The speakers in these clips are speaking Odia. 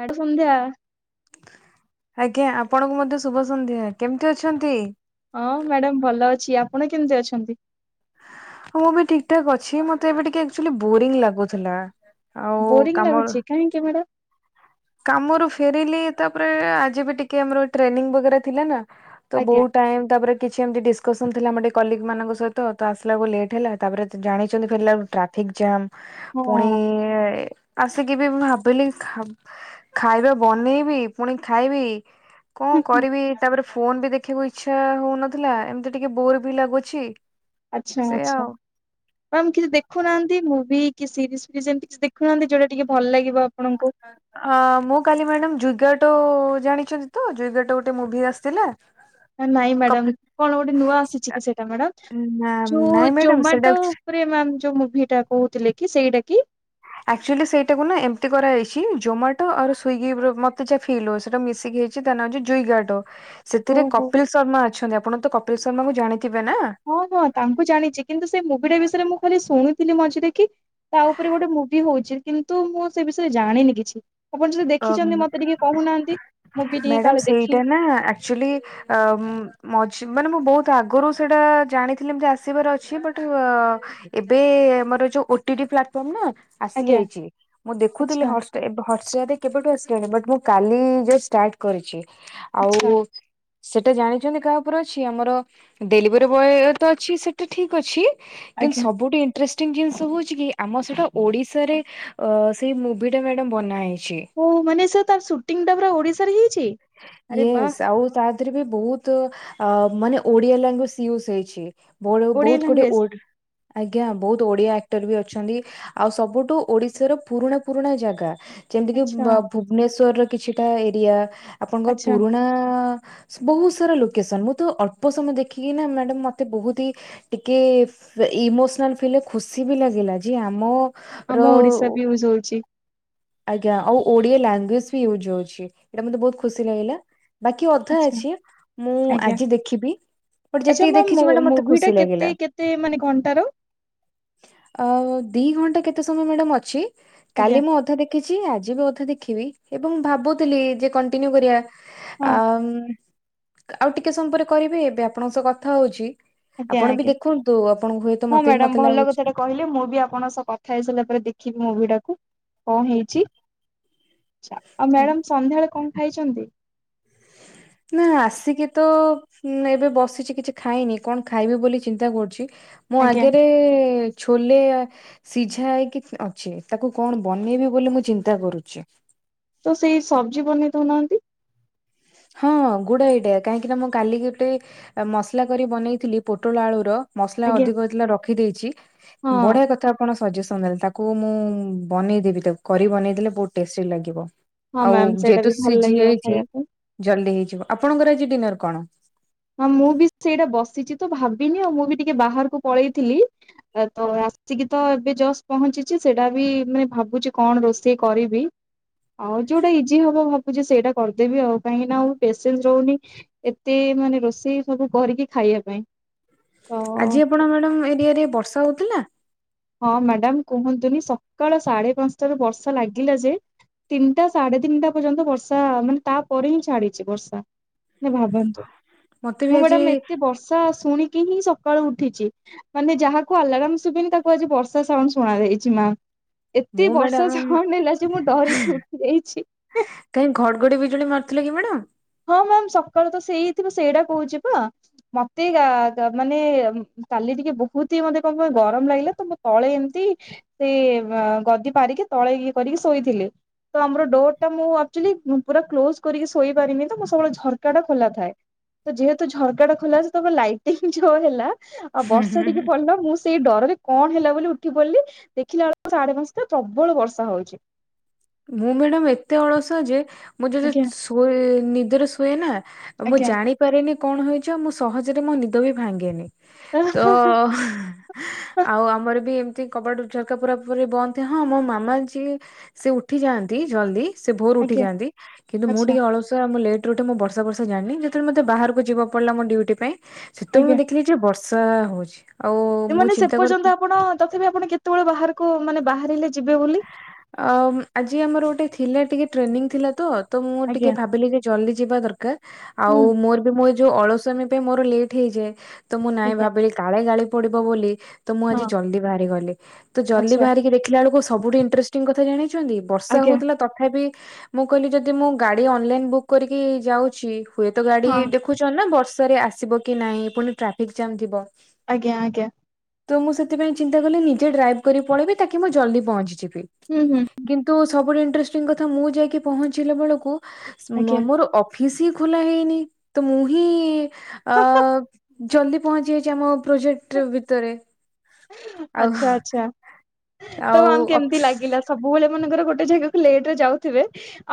ମ୍ୟାଡ ସନ୍ଧ୍ୟା। ଆଜ୍ଞା ଆପଣଙ୍କୁ ମଧ୍ୟ ଶୁଭ ସନ୍ଧ୍ୟା କେମିତି ଅଛନ୍ତି? ହଁ ମ୍ୟାଡ଼ାାମ ଭଲ ଅଛି ଆପଣ କେମତି ଅଛନ୍ତି? ମୁଁ ବି ଠିକ ଠାକ୍ ଅଛି ମତେ ଏବେ ଟିକେ ଆକଚୁଆଲି ବୋରିଂ ଲାଗୁଥିଲା। ଆଉ ବୋରିଂ କାମ ଲାଗୁଛି କାହିଁକି ମ୍ୟାଡ଼ାମ? କାମରୁ ଫେରିଲି ତାପରେ ଆଜି ବି ଟିକେ ଆମର ଟ୍ରେନିଂ ବଗେରା ଥିଲା ନା। ତ ଆଜ୍ଞା ବହୁତ ଟାଇମ ତାପରେ କିଛି ଏମିତି ଡିସକସନ୍ ଥିଲା ମର ଟିକେ କଲିକ୍ ମାନଙ୍କ ସହିତ ତ ଆସିଲାକୁ ଲେଟ୍ ହେଲା ତାପରେ ଜାଣିଛନ୍ତି ଫେରିଲା ଟ୍ରାକ୍ ଠିକ୍ ଜାମ ପୁଣି ହଁ ଆସିକି ବି ମୁ ଭାବିଲି ଖାଇବା ବନେଇବି ପୁଣି ଖାଇବି କଣ କରିବି ତାପରେ ଫୋନ ବି ଦେଖିବାକୁ ଇଛା ହଉନଥିଲା ଏମିତି ଟିକେ ବୋର ବି ଲାଗୁଛି ଆଚ୍ଛା ସେଇଆ ଆଚ୍ଛା। ଆଉ। ମ୍ୟାମ କିଛି ଦେଖୁନାହାନ୍ତି ମୁଭି କି ସିରିଜ ଫିଜି ଏମତି କିଛି ଦେଖୁନାହାନ୍ତି ଯୋଉଟା ଟିକେ ଭଲ ଲାଗିବ ଆପଣଙ୍କୁ। ଅ ମୁଁ କାଲି ମ୍ୟାଡାମ ଜୁଗାଟୋ ଜାଣିଛନ୍ତି ତ ଜୁଗାଟୋ ଗୋଟେ ମୁଭି ଆସିଥିଲା। ହ ନାଇଁ ମ୍ୟାଡ଼ାମ କପି କଣ ଗୋଟେ ନୂଆ ଆସିଛି କି ସେଟା ମ୍ୟାଡାମ ନା ଯୋଉ ନାଇଁ ମ୍ୟାଡାମ ସେଇଟା ଜୋମାଟୋ ଉପରେ ମ୍ୟାମ ଯୋଉ ମୁଭି ଟା କହୁଥିଲେ କି ସେଇଟା କି। ଆକ୍ଚୁଆଲି ସେଇଟାକୁ ନା ଏମିତି କରାହେଇଛି ଜୋମାଟୋ ଆଉର ସ୍ଵିଗି [unintelligible] ମତେ ଯା ଫିଲ ହଉ ସେଇଟା ମିଶିକି ହେଇ ଛି ତା ନା ହଉଚି ଜୁଇଗାଟୋ ସେଥିରେ ଓହୋ କପିଲ ଶର୍ମା ଅଛନ୍ତି ଆପଣ ତ କପିଲ ଶର୍ମାକୁ ଜାଣିଥିବେ ନା। ହଁ ହଁ ତାଙ୍କୁ ଜାଣିଚି କିନ୍ତୁ ସେ ମୁଭି ଟା ବିଷୟରେ ମୁଁ ଖାଲି ଶୁଣିଥିଲି ମଝିରେ କି ତା ଉପରେ ଗୋଟେ ମୁଭି ହଉଚି କିନ୍ତୁ ମୁଁ ସେ ବିଷୟରେ ଜାଣିନି କିଛି। ଆପଣ ଯଦି ଦେଖିଚନ୍ତି ମତେ ଟିକେ କହୁନାହାନ୍ତି ମୁଁ ବି ଟିକେ ମ୍ୟାଡାମ କାଳେ ସେଇଟା ଦେଖି ନା ଏକ୍ଚୁଲି ମଝି ମାନେ ମୁଁ ବହୁତ ଆଗରୁ ସେଇଟା ଜାଣିଥିଲି ଏମତି ଆସିବାର ଅଛି ବଟ୍ ଏବେ ଆମର ଯୋଉ ଓଟି ଟି ପ୍ଲାଟଫର୍ମ ନା ଆଜ୍ଞା ଆସିଯାଇଛି ମୁଁ ଦେଖୁଥିଲି ଆଚ୍ଛା ହଟ୍ ଏବେ ହୋଟଷ୍ଟାରରେ। କେବେଠୁ ଆସିଲଣି ବଟ୍ ମୁଁ କାଲି ଯୋଉ ଷ୍ଟାର୍ଟ କରିଛି। ଆଚ୍ଛା ଆଉ ସେଟା ଜାଣିଛନ୍ତି କାହା ଉପରେ ଅଛି ଆମର ଡେଲିଭରି ବୟ ତ ଅଛି ସେଟା ଠିକ ଅଛି କିନ୍ତୁ ଆଜ୍ଞା। ସବୁଠି ଇନ୍ତ୍ରେଷ୍ଟିଂ ଜିନିଷ ହଉଛି କି ଆମ ସେଇଟା ଓଡିଶାରେ ଅ ସେଇ ମୁଭି ଟା ମ୍ୟାଡାମ ବନା ହେଇଛି। ଓହୋ ମାନେ ସେ ତାର ସୁଟିଂ ଟା ପୁରା ଓଡିଶାରେ ହେଇଛି ଆରେ ବା। ୟେସ୍ ଆଉ ତା ଦେହରେ ବି ବହୁତ ମାନେ ଓଡିଆ ଲାଙ୍ଗୁଏଜ ୟୁଜ ହେଇଛି। ବ ଓଡିଆ ବହୁତ ଗୋଟେ ଲାଙ୍ଗୁଏଜ। ଆଜ୍ଞା ବହୁତ ଓଡିଆ ଆକ୍ଟର ବି ଅଛନ୍ତି। ଆଉ ସବୁଠୁ ଓଡିଶାର ପୁରୁଣା ପୁରୁଣା ଜାଗା ଯେମିତି କିି ଆଚ୍ଛା ଭୁବନେଶ୍ଵରର କିଛିଟା ଏରିଆ ଆପଣଙ୍କର ଆଚ୍ଛା ପୁରୁଣା ବହୁତ ସାରା ଲୋକେସନ। ମୁଁ ତ ଅଳ୍ପ ସମୟ ଦେଖିକି ନା ମ୍ୟାଡାମ୍ ମତେ ବହୁତ ହି ଟିକେ ଇମୋସନାଲ ଫିଲ୍ ଖୁସି ବି ଲାଗିଲା ଯେ ଆମ ଆମ ର ଓଡିଶା ବି ୟୁଜ ହଉଛି ଆଜ୍ଞା ଆଉ ଓଡିଆ ଲାଙ୍ଗୁଏଜ ବି ୟୁଜ ହଉଛି ଏଇଟା ମତେ ବହୁତ ଖୁସି ଲାଗିଲା। ବାକି ଅଧା ଆଚ୍ଛା ଅଛି ମୁଁ ଆଜ୍ଞା। ଆଜି ଦେଖିବି। ବଟ୍ ଆଚ୍ଛା ଯେତିକି ମ୍ୟାମ୍ ଦେଖିଛି ମ୍ୟାଡ଼ାମ ମତେ ମୁଭି ଟା ଖୁସି ଲାଗିଲା। କେତେ କେତେ ମାନେ ଘଣ୍ଟାର ଅ ଦି ଘଣ୍ଟା କେତେ ସମୟ ମ୍ୟାଡାମ ଅଛି ଆଜ୍ଞା କାଲି ମୁଁ ଅଧା ଦେଖ ଦେଖିଛି ଆଜି ବି ଅଧା ଦେଖିବି ଏବଂ ଭାବୁଥିଲି ଯେ କଣ୍ଟିନ୍ୟୁ କରିବା ହଁ ଆ ଆଉ ଟିକେ ସମୟ ପରେ କରିବେ ଏବେ ଆପଣଙ୍କ ସହ କଥା ହଉଛି। ଆଜ୍ଞା ଆପଣ ବି ଆଜ୍ଞା। ଦେଖନ୍ତୁ ଆପଣଙ୍କୁ ହୁଏତ ତ ହଁ ମତେ ବି ମ୍ୟାଡାମ ମତେ ଭଲ ଲାଗୁଛି କଥାଟା କହିଲେ ମୁଁ ବି ଆପଣଙ୍କ ସହ କଥା ହେଇ ସାରିଲା ପରେ ଦେଖିବି ମୁଭି ଟାକୁ କଣ ହେଇଛି। ଛ ଆଉ ମ୍ୟାଡାମ ସନ୍ଧ୍ୟାବେଳେ କଣ ଖାଇଛନ୍ତି? ନା ଆସିକି ତ ହଁ ଏବେ ବସିଛି କିଛି ଖାଇନି କଣ ଖାଇବି ବୋଲି ଚିନ୍ତା କରୁଛି। ମୁଁ ଆଜ୍ଞା ଆଗରେ ଛୋଲେ ସିଝା ହେଇକି ଅଛି ତାକୁ କଣ ବନେଇବି ବୋଲି ମୁଁ ଚିନ୍ତା କରୁଛି। ତ ସେଇ ସବଜି ବନେଇ ଦଉନାହାନ୍ତି। ହଁ ଗୁଡ୍ ଆଇଡିଆ କାହିଁକି ନା ମୁଁ କାଲିି ଗୋଟେ ମସଲା କରି ବନେଇଥିଲି ପୋଟଳ ଆଳୁର ମସଲା ଆଜ୍ଞା ଅଧିକ ହେଇଥିଲା ରଖିଦେଇଛି ହଁ ବଢିଆ କଥା ଆପଣ ସଜେସନ ଦେଲେ, ତାକୁ ମୁଁ ବନେଇଦେବି ତାକୁ କରି ବନେଇ ଦେଲେ ବହୁତ ଟେଷ୍ଟୀ ଲାଗିବ। ହଁ ଆଉ ମ୍ୟାମ ସେଇଟା ବି ଯେହେତୁ ଭଲ ସିଝି ଲାଗିବ ଯାଇଛି ଖାଇବା ପାଇଁ। ଜଲଦି ହେଇଯିବ। ଆପଣଙ୍କର ଆଜି ଡିନର କଣ? ହଁ ମୁଁ ବି ସେଇଟା ବସିଛି ତ ଭାବିନି ଆଉ ମୁଁ ବି ଟିକେ ବାହାରକୁ ପଳେଇଥିଲି। ତ ଆସିକି ତ ଏବେ ଜଷ୍ଟ ପହଞ୍ଚିଛି ସେଇଟା ବି ମାନେ ଭାବୁଛି କଣ ରୋଷେଇ କରିବି। ଆଉ ଯୋଉଟା ଇଜି ହବ ଭାବୁଛି ସେଇଟା କରିଦେବି ଆଉ କାହିକି ନା ଆଉ ପେସେନ୍ସ ରହୁନି। ଏତେ ମାନେ ରୋଷେଇ ସବୁ କରିକି ଖାଇବା ପାଇଁ। ତ ଆଜି ଆପଣ ମ୍ୟାଡାମ ଏରିଆରେ ବର୍ଷା ହଉଥିଲା? ହଁ ମ୍ୟାଡାମ କୁହନ୍ତୁନି ସକାଳ ସାଢେ ପାଞ୍ଚଟାରୁ ବର୍ଷା ଲାଗିଲା ଯେ ତିନିଟା ସାଢେ ତିନିଟା ପର୍ଯ୍ୟନ୍ତ ବର୍ଷା ମାନେ ତାପରେ ହିଁ ଛାଡିଛି ବର୍ଷା। ମାନେ ଭାବନ୍ତୁ। ମତେ ବି ମୁଁ ଆଜି ମ୍ୟାଡାାମ ଏତେ ବର୍ଷ ଶୁଣିକି ହିଁ ସକାଳୁ ଉଠିଛି ମାନେ ଯାହାକୁ ଆଲାରାମ ସୁଭେନି ତାକୁ ଆଜି ବର୍ଷା ସାଉଣ୍ଡ ଶୁଣା ଯାଇଛି ମା। ଏତେ ମୁଁ ବର୍ଷା ମ୍ୟାଡାମ ସୁନ୍ଦର ହେଲା ଯେ ମୁଁ ଡରିକି ଉଠି ଯାଇଛି। କାଇଁ ଘଡଘଡି ବିଜୁଳି ମାରୁଥିଲା କି ମ୍ୟାଡାମ୍? ହଁ ମ୍ୟାମ୍ ସକାଳୁ ତ ସେଇଥିବ ସେଇଟା କହୁଚି ପା। ମତେ ଆ-ମାନେ କାଲି ଟିକେ ବହୁତ୍ ହି ମତେ କଣ କହ ଗରମ୍ ଲାଗିଲା ତ ମୁଁ ତଳେ ଏମତି ସେ ଗଦି ପାରିକି ତଳେ ଇଏ କରିକି ଶୋଇଥିଲି ତ ଆମର ଡୋର୍ ଟା ମୁଁ ଆକ୍ଚୁଲି ପୁରା କ୍ଲୋଜ୍ କରିକି ଶୋଇ ପାରିନି ତ ମୁଁ ସବୁବେଳେ ଝର୍କା ଟା ଖୋଲା ଥାଏ। ତ ଯେହେତୁ ଝର୍କା ଟା ଖୋଲା ସେ [unintelligible] ଲାଇଟିଙ୍ଗ୍ ଯଉ ହେଲା ଆଉ ବର୍ଷା ଟିକେ ପଡିଲା ମୁଁ ଶ ସେଇ ଡରରେ କଣ ହେଲା ବୋଲି ଉଠି ପଡିଲି ଦେଖିଲା ବେଳକୁ ସାଢେ ପାଞ୍ଚଟା ପ୍ରବଳ ବର୍ଷା ହଉଚି। ମୁଁ ମ୍ୟାଡାମ୍ ଏତେ ଅଳସୁଆ ଯେ ମୁଁ ଯଦି ଆଜ୍ଞା ଶୋଇ- ନିଦରେ ଶୁଏ ନା ଆଉ ମୁଁ ଆଜ୍ଞା ଜାଣି ପାରିନି କଣ ହେଇଚି ମୁଁ ସହଜରେ ମୋ ନିଦ ବି ଭାଙ୍ଗେନି। ତ [inaudible] ଆଉ ଆମର ବି ଏମିତି କବାଟ ଝରକା ପୁରା ପୁରି ବନ୍ଦ ଏ ହଁ ମ ମାମା ଯିଏ ସିଏ ଉ ଉଠି ଯାଆନ୍ତି ଜଲ୍ଦି ସେ ଭୋରୁ ଉଠି ଆଜ୍ଞା ଯାଆନ୍ତି କିନ୍ତୁ ମୁଁ ଆଚ୍ଛା ଟିକେ ଅଳସୁଆ ମୁଁ ଲେ ଲେଟ୍ ରେ ଉଠେ ମୁଁ ବର୍ଷା ଫର୍ଷା ଜାଣିନି ଯେତେଳେ ମତେ ବାହାରକୁ ଯିବାକୁ ପଡିଲା ମୋ ଡଉଟି ପାଇଁ ଆଜ୍ଞା। ସେତବେଳେ ମୁଁ ଦେଖିଲି ଯେ ବର୍ଷା ହଉଚି। ମାନେ ସେ ପର୍ଯ୍ୟନ୍ତ ଆପଣ ତଥାପି ଆପଣ କେତେବେଳେ ବାହାରକୁ ମାନେ ବାହାରିଲେ ଯିବେ ବୋଲି? ଅ- ଆଜି ଆମର ଗୋଟେ ଥିଲା ଟିକେ ଟ୍ରେନିଂ ଥିଲା ତ। ତ ମୁଁ ଟିକେ ଆଜ୍ଞା ଭାବିଲି ଯେ ଜଲ୍ଦି ଯିବା ଦରକାର୍ ହୁଁ ଆଉ ମୋର ବି ମୁଁ ଏ ଯଉ ଅଳସୁଆମୀ ପାଇଁ ମୋର ଲେଟ୍ ହେଇଯାଏ ତ ମୁଁ ନାଇଁ ଆଜ୍ଞା ଭାବିଲି କାଳେ ଗାଳି ପଡିବ ବୋଲି ତ ମୁଁ ଆଜି ହଁ ଜଲ୍ଦି ବାହାରି ଗଲି ତ ଜଲ୍ଦି ଆଚ୍ଛା ବାହାରିକି ଦେଖିଲା ବଳକୁ ସବୁଠି [unintelligible] କଥା ଜାଣିଚନ୍ତି ବର୍ଷା ଆଜ୍ଞା ହଉଥିଲା ତଥାପି ମୁଁ କହିଲି ଯଦି ମୁଁ ଗାଡି ଅନଲାଇନ୍ ବୁକ୍ କରିକି ଯାଉଚି ହୁଏତ ଗାଡି ହଁ ଦେଖ ଦେଖୁଚନ୍ତି ନା ବର୍ଷାରେ ଆସିବ କି ନାଇଁ ପୁଣି ଟ୍ରାଫିକ୍ ଜାମ୍ ଥିବ ଆଜ୍ଞା- ଆଜ୍ଞା। ତ ମୁଁ ସେଥିପାଇଁ ଚିନ୍ତା କଲି ନିଜେ ଡ୍ରାଇଭ୍ କରି ପଳେଇି ତାକି ମୁଁ ଜଲ୍ଦି ପହଞ୍ଚିଯିବି। ହୁଁ- ହୁଁ। କିନ୍ତୁ ସବୁଠୁ ଇନଟ୍ରେଷ୍ଟିଙ୍ଗ୍ କଥା ମୁଁ ଯାଇକି ପହଞ୍ଚିଲା ବେଳକୁ ମ- ଆଜ୍ଞା। ମୋର ଅ ଫିସି ଖୋଲା ହେଇନି ତ ମୁଁ ହିଁ ଅ- ଜଲ୍ଦି ପହଞ୍ଚି ଯାଇଚି ଆମ ପ୍ରୋଜେକ୍ଟ୍ ଭିତରେ ଆଉ ଆଚ୍ଛା ଆଚ୍ଛା ତ ଆଉ ଆମ୍- ଅଫ କେମିତି ଲାଗିଲା ସବୁବେଳେ ମନେକର ଗୋଟେ ଜାଗାକୁ ଲେଟ୍ ରେ ଯାଉଥିବେ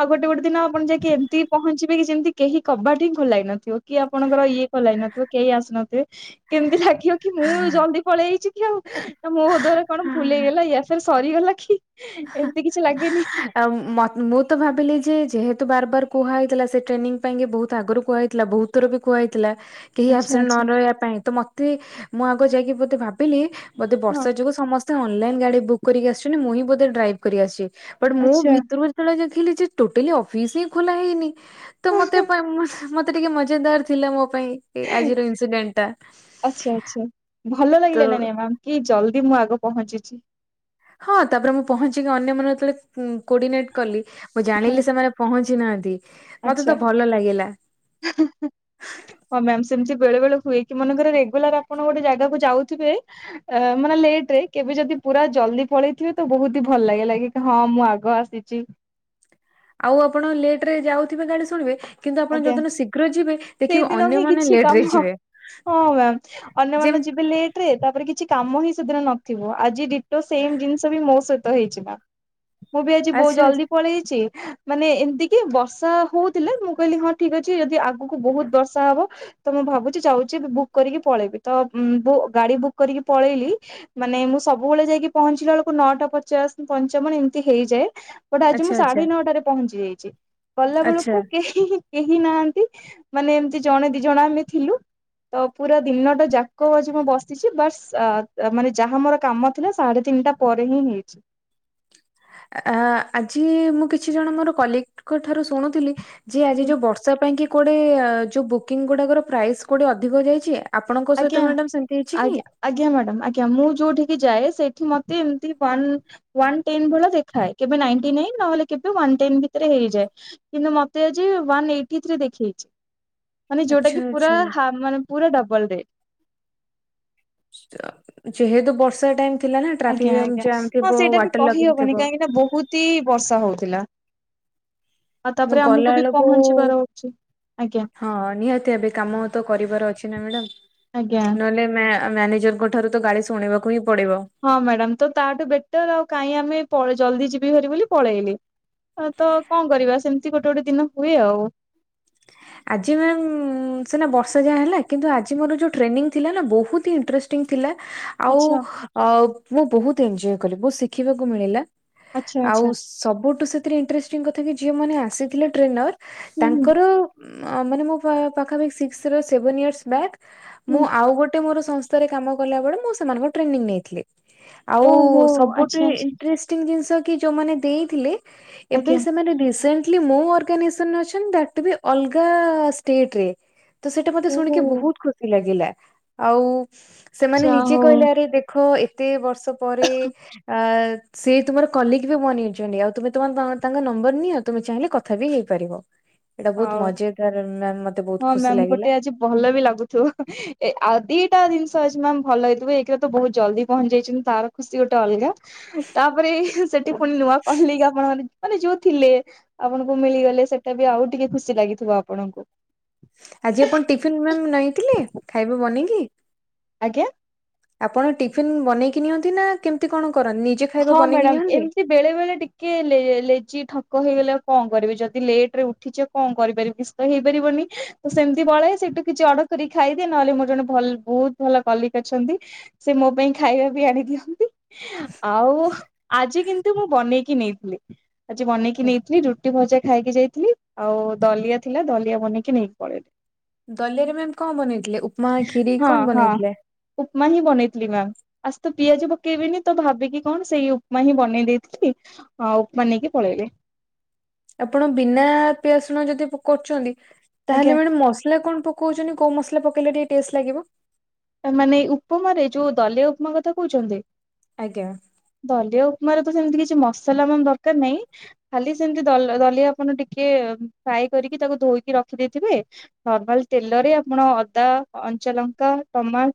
ଆଉ ଗୋଟେ ଗୋଟେ ଦିନ ଆପଣ ଯାଇକି ଏମିତି ପହଞ୍ଚିବେ କି ଯେମିତି କେହି କବାଟ ହିଁ ଖୋଲା ହେଇନଥିବ। କି ଆପଣଙ୍କର ଇଏ [unintelligible] ହେଇନଥିବ କେହି ଆସିନଥିବେ କେମିତି ଲାଗିବ କି ମୁଁ ଜଲ୍ଦି ପଳେଇ ଆଇଚି କି ଆଉ ନା ମୋ ଦ୍ବାରା କଣ ଭୁଲ୍ ହଁ ହେଇଗଲା କି ୟା ଫିର୍ ସରିଗଲା କି। ଏମିତି କିଛି ଲାଗେନି। ଆଉ ମତ୍-ମୁଁ ତ ଭାବିଲି ଯେ ଯେହେତୁ ବାର୍ ବାର୍ କୁହା ହେଇଥିଲା ସେ ଟ୍ରେନିଂ ପାଇଁ ବହୁତ ଆଗରୁ କୁହା ହେଇଥିଲା ବହୁତ୍ [unintelligible] କୁହାହେଇଥିଲା। କେହି ଆଚ୍ଛା ଆବସେଣ୍ଟ୍ ନ ଆଚ୍ଛା ରହିବା ପାଇଁ ତ ମତେ ମୁଁ ଆଗ ଯାଇକି [unintelligible] ଭାବିଲି ବୋଧେ ହଁ ବର୍ଷା ଯୋଗୁ ସମସ୍ତେ ଅନଲାଇନ୍ ଗାଡି ବୁକ୍ କରିକି ଆସିଚନ୍ତି ମୁଁ ହିଁ ବୋଧେ ଡ୍ରାଇଭ୍ କରିକି ଆସିଚି। ବଟ୍ ମୁଁ ଆଚ୍ଛା ଭିତରୁ ଯେତବେଳେ ଦେଖିଲି ଯେ ଟୋଟାଲି ଅଫିସ୍ ହିଁ ଖୋଲା ହେଇନି ତ ମତେ ପାଇଁ ମତେ ଟିକେ ମଜେଦାର୍ ଥିଲା ମୋ ପାଇଁ। ଆଜିର ଇନସିଡେଣ୍ଟ ଆଚ୍ଛା -ଆଚ୍ଛା। ଭଲ ଟା ଲାଗିଲା ନା ତ ନାଇ ମ୍ୟାମ୍? କି ଜଲ୍ଦି ମୁଁ ଆଗ ପହଞ୍ଚିଚି। ହଁ ତାପରେ ମୁଁ ପହଞ୍ଚିକି ଅନ୍ୟମାନେ ଯେତେବେଳେ ଉଁ- କୋଡିନେଟ୍ କଲି ମୁଁ ହଁ ଜାଣିଲି ସେମାନେ ପହଞ୍ଚି ନାହାନ୍ତି ମତେ ଆଚ୍ଛା। ତ ଭଲ ଲାଗିଲା। [unintelligible] ହଁ ମ୍ୟାମ ସେମିତି ବେଳେ ବେଳେ ହୁଏ କି ମନେକରେ ରେଗୁଲାର ଆପଣ ଗୋଟେ ଜାଗାକୁ ଯାଉଥିବେ ଅ ମାନେ ଲେଟ ରେ କେବେ ଯଦି ପୁରା ଜଲଦି ପଳେଇଥିବେ ତ ବହୁତ ହି ଭଲ ଲାଗେ ଲାଗେ ହଁ ମୁଁ ଆଗ ଆସିଚି। ଆଉ ଆପଣ ଲେଟ ରେ ଯାଉଥିବେ ଗାଳି ଶୁଣିବେ କିନ୍ତୁ ଆପଣ ଆଜ୍ଞା। ଯୋଉଦିନ ଶୀଘ୍ର ଯିବେ ଦେଖିବେ ସେଇଦିନ ହିଁ ଅନ୍ୟମାନେ ଲେଟ ରେ ଯିବେ। ଅନ୍ୟ ଯେମ ମାନେ ଯିବେ ଲେ ଟେ ରେ ତାପରେ କିଛି କାମ ହିଁ ସେଦିନ ନଥିବ ଆଜି ଡିଟୋ ସେମ ଜିନିଷ ବି ମୋ ସହିତ ହେଇଛି ମ୍ୟାମ୍। ମୁଁ ବି ଆଜି ବହୁତ ଆଚ୍ଛା ଜଲଦି ପଳେଆଇଚି ମାନେ ଏମତି କି ବର୍ଷା ହଉଥିଲା ମୁଁ କହିଲି ହଁ ଠିକ ଅଛି ଯଦି ଆଗକୁ ବହୁତ ବର୍ଷା ହବ ତ ମୁଁ ଭାବୁଛି ଯାଉଛି ବୁକ୍ କରିକି ପଳେଇବି ତ ଗାଡି ବୁକ୍ କରିକି ପଳେଇଲି ମାନେ ମୁଁ ସବୁବେଳେ ଯାଇକି ପହଞ୍ଚିଲା ବେଳକୁ ନଅଟା ପଚାଶ ପଞ୍ଚାବନ ଏମିତି ହେଇଯାଏ ବଟ ଆଜି ମୁଁ ଆଚ୍ଛା ଆଚ୍ଛା ସାଢେ ନଅଟାରେ ପହଞ୍ଚି ଯାଇଚି ଗଲା ଆଚ୍ଛା ବେଳକୁ କେହ ହିଁ ହିଁ କେହି ନାହାନ୍ତିମାନେ ଏମତି ଜଣେ ଦି ଜଣ ଆମେ ଥିଲୁ। ତ ପୁରା ଦିନଟା ଯାକ ଆଜି ମୁଁ ବସିଚି ବଟ ମାନେ ଯାହା ମୋର କାମ ଥିଲା ସାଢେ ତିନିଟା ପରେ ହିଁ ହେଇଚି। ଆ ଆଜି ମୁଁ କିଛି ଜଣ ମୋର କଲିକଙ୍କ ଠାରୁ ଶୁଣୁଥିଲି ଯେ ଆଜି ଯୋଉ ବର ର୍ଷା ପାଇଁ କି କୁଆଡେ଼ ଯୋଉ ବୁକିଂ ଗୁଡାକର ପ୍ରାଇସ୍ କୋଉଠି ଅଧିକ ଯାଇଚି। ଆପଣଙ୍କ ଆଜ୍ଞା ସହିତ ମ୍ୟାଡାମ ସେମିତି ହେଇଛି କି? ଆଜ୍ଞା ଆଜ୍ଞା ମ୍ୟାଡାମ୍ ଆଜ୍ଞା ମୁଁ ଯୋଉଠିକି ଯାଏ ସେଇଠି ମତେ ଏମତି ପନ ୱାନ ଟେନ୍ ଭଳିଆ ଦେଖାଏ କେବେ ନିଂଟୀ ନାଇନ ନହେଲେ କେବେ ୱାନ ଟେନ ଭିତରେ ହେଇଯାଏ। କିନ୍ତୁ ମତେ ଆଜି ୱାନ ଏଇଟି ଥ୍ରୀରେ ଦେଖେଇଚି। ମାନେ ଯୋଉଟା ଆଚ୍ଛା କି ପୁରା ଆଚ୍ଛା। ହାପ ମାନେ ପୁରା ଡବଲ ରେଟ। ଯେହେତୁ ବର୍ଷା ଟାଇମ ଥିଲା ନା ଆଜ୍ଞା ଟ୍ରାଫିକ ଆଜ୍ଞା ଜାମ୍ ଥିବ ହଁ ସେଇଟା ବି ୱାଟର ଲଗିଙ୍ଗ କହିହବନି ଥିବ। କାହିଁକି ନା ବହୁତ ହି ବର୍ଷା ହଉଥିଲା। ଆଉ ମୁଁ ତାପରେ ଆମକୁ ଗଲା ବି ବେଳକୁ ପହଞ୍ଚିବାର ଅଛି ଆଜ୍ଞା ହଁ ନିହାତି ଭାବେ କାମ ତ କରିବାର ଅଛି ନା ମ୍ୟାଡ଼ାମ ଆଜ୍ଞା। ନହେଲେ ମ୍ୟା ମ୍ୟାନେଜରଙ୍କ ଠାରୁ ତ ଗାଳି ଶୁଣିବାକୁ ହିଁ ପଡିବ। ହଁ ମ୍ୟାଡାମ ତ ତାଠୁ ବେଟର ଆଉ କାଇଁ ଆମେ ପ ଜଲଦି ଯିବି ଭାରି ବୋଲି ପଳେଇଲି। ହ ତ କଣ କରିବା ସେମିତି ଗୋଟେ ଗୋଟେ ଦିନ ହୁଏ ଆଉ ଆଜି ମ୍ୟାମ୍ ମ ସିନା ବର୍ଷା ଯାହା ହେଲା କିନ୍ତୁ ଆଜି ମୋର ଯୋ ଟ୍ରେନିଂ ଥିଲା ବହୁତ ହିଁ ଇଂଟରେଷ୍ଟ ଟିଂ ଥିଲା ଆ। ଆଚ୍ଛା ଆଉ ମୁଁ ବହୁତ ଏନଜୟ କଲି ବହୁତ ଶିଖିବାକୁ ମିଳିଲା ଆଚ୍ଛା ଆଉ ଆଚ୍ଛା ସବୁଠୁ ସେଥିରେ ଇନ୍ତ୍ରେଷ୍ଟିଙ୍ଗ କଥା କି ଯିଏ ମାନେ ଆସିଥିଲେ ଟ୍ରେନର ହୁଁ ହୁଁ। ତାଙ୍କର ମାନେ ମୋ ପାଖାପାଖି ସିକ୍ସ ର ସେଭେନ ଇୟରସ ବ୍ୟାକ ହୁଁ ମୁଁ ଆଉ ଗୋଟେ ମୋର ସ ସ୍ଥା ରେ ମୁଁ କାମ କଲା ବେଳେ ମୁଁ ସେମାଙ୍କଠୁ ଟ୍ରେନିଙ୍ଗ ନିଏ ଆଉ ଓହୋ ସବୁ ଠୁ ଆଚ୍ଛା ଇଣ୍ଟେର୍ଷ୍ଟ ଆଚ୍ଛା ଇନ୍ତ୍ରେଷ୍ଟିଙ୍ଗ ଜିନିଷ କି ଯୋଉ ମାନେ ଦେଇଥିଲେ ଏବେ ଆଜ୍ଞା। ସେମାନେ ରିସେଣ୍ଟଲି ମୋ ଓର ଅର୍ଗାନାସିନ ରେ ଅଛନ୍ତି ତା ଠୁ ବି ଅଲଗା ଷ୍ଟେଟ ରେ ତା ସେଟା ମୁ ଶୁଣି ଓହୋ କି ବହୁତ ଖୁସି ଲାଗିଲା ଆଉ ସେମାନେ ଯା ନିଜେ ହଉ କହିଲେ ଆରେ ଦେଖ ଏତେ ବର୍ଷ ପରେ ଆ ସେ ତୁମର କଲିକ ବି ବନେଇଉଛନ୍ତି ଆଉ ତମେ ତମ ତାଙ୍କ ନମ୍ବର ନିଅ ଆଉ ତମେ ଚାହିଁଲେ କଥା ବି ହେଇପାରିବ ଏଇଟା ବହୁତ ହଉ ମଜେଦାର ମ୍ୟାମ ମତେ ବହୁତ ହଁ ଖୁସି ମ୍ୟାାମ ଲାଗିଲା ଗୋଟେ ଆଜି ଭଲ ବି ଲାଗୁ ଆଉ ଦିଟା ଜିନିଷ ଅଛି ମ୍ୟାମ ଭଲ ହେଇଥିବ ଏଇଥିରେ ତ ବହୁତ ଜଲ୍ଦି ପହଞ୍ଚି ଯାଇଛନ୍ତି ତାର ଖୁସି ଗୋଟେ ଅଲଗା ତାପରେ ସେଠି ପୁଣି ନୂଆ କଲିକ ଆପଣ ମାନେ ମାନେ ଯୋଉ ଥିଲେ ଆପଣଙ୍କୁ ମିଳିଗଲେ ସେଇଟା ବି ଆଉ ଟିକେ ଖୁସି ଲାଗିଥିବ ଆପଣଙ୍କୁ। ଆଜି ଆପଣ ଟିଫିନ ମାମ ନେଇଥିଲେ ଖାଇବା ବନେଇକି। ଆଜ୍ଞା। ଆପଣ ଟିଫିନ୍ ବନେଇକି ନିଅନ୍ତି ନା କେମିତି କଣ କରନ୍ତି? ନିଜେ ଖାଇବା ହଁ ବନେଇକି ମ୍ୟାଡ଼ାମ ନିଅନ୍ତି? ଏମତି ବେଳେବେଳେ ଟିକେ ଲେ ଲେଜି ଠକ ହେଇଗଲେ ଆଉ କଣ କରିବି ଯଦି ଲେଟରେ ଉଠିଛ କଣ କରିପାରିବି? ତ ହେଇପାରିବନି ତ ସେମିତି ବଳେ ସେଇଠୁ କିଛି ଅଡର କରିକି ଖାଇଦିଏ ନହେଲେ ମୋର ଜଣେ ଭଲ ବହୁତ ଭଲ କଲିକ ଅଛନ୍ତି। ସେ ମୋ ପାଇଁ ଖାଇବା ବି ଆଣି ଦିଅନ୍ତି। ଆଉ ଆଜି କିନ୍ତୁ ମୁଁ ବନେଇକି ନେଇଥିଲି ଆଜି ବନେଇକି ନେଇଥିଲି ଯଉ ରୁଟି ଭଜା ଖାଇକି ଯାଇଥିଲି। ଆଉ ଦଲିଆ ଥିଲା ଦଲିଆ ବନେଇକି ନେଇକି ପଳେଇଲି। ଦଲିଆ ରେ ମ୍ୟାମ କଣ ବନେଇଥିଲେ। ଉପମା କ୍ଷୀରି ହଁ କଣ ହଁ ବନେଇଥିଲେ? ଉପମା ହିଁ ବନେଇଥିଲି ମ୍ୟାମ। ଆଜି ତ ପିଆଜ ପକେଇବିନି ତ ଭାବିକି କି କଣ ସେଇ ଉପମା ହିଁ ବନେଇ ଦେଇଥିଲି ଆଉ ଉପମା ନେଇକି ପଳେଇଲି। ଆପଣ ବିନା ପିଆଜ ରସୁଣ ଯଦି କରୁଛନ୍ତି ଆଜ୍ଞା ତାହେଲେ ମ୍ୟାଡ଼ାମ ମସଲା କଣ ପକ କହୁଛନ୍ତି କଉ ମସଲା ପକେଇଲେ ଟିକେ ଟେଷ୍ଟ ଲାଗିବ? ମାନେ ଉପମାରେ ଯୋଉ ଦଲିଆ ଉପମା କଥା କହୁଛନ୍ତି। ଆଜ୍ଞା। ଦଲିଆ ଉପମାର ସେମିତି କିଛି ମସଲା ଦରକାର ନାହିଁ। ଖାଲି ସେମିତି ଦ ଦଲିଆ ଆପଣ ଟିକେ ଫ୍ରାଏ କରିକି ତାକୁ ଧୋଇକି ରଖି ଦେଇଥିବେ ନର୍ମାଲ ତେଲରେ ଆପଣ ଅଦା କଞ୍ଚାଲଙ୍କା ଟମାଟ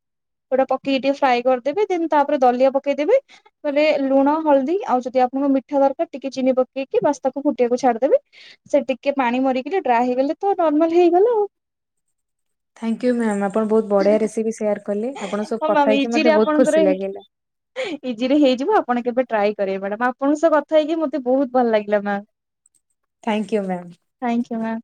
ସେଗୁଡା ପକେଇକି ଟିକେ ଫ୍ରାଏ କରିଦେବେ ଦେନ୍ ତାପରେ ଦଲିଆ ପକେଇଦେବେ। ରେ ଲୁଣ ହଳଦୀ ଆଉ ଯଦି ଆପଣଙ୍କୁ ମିଠା ଦରକାର ଟିକେ ଚିନି ପକେଇକି ବାସ୍ ତାକୁ ଫୁଟେଇବାକୁ ଛାଡିଦେବେ। ସେ ଟିକେ ପାଣି ମରିକି ଡ୍ରାଏ ହେଇଗଲେ ତ ନର୍ମାଲ ହେଇଗଲା ଆଉ। ଥ୍ୟାଙ୍କୟୁ ମ୍ୟାମ୍ ଆପଣ ବହୁତ ବଢିଆ ରେସିପି ସେଆର କଲେ। ଆପଣ ସହ ହଁ ମ୍ୟାମ୍ କଥାହେଇକି ଇଜିରେ ମତେ ବହୁତ ଆପଣଙ୍କର ଖୁସି ଲାଗିଲା। ଇଜିରେ ହେଇଯିବ ଆପଣ କେବେ ଟ୍ରାଏ କରିବେ ମ୍ୟାଡ ଆପଣଙ୍କ ସହ କଥା ହେଇକି ମତେ ବହୁତ ଭଲ ଲାଗିଲା ma'am. [inaudible] Thank you ma'am. Thank you ma'am.